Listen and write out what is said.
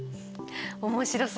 面白そう。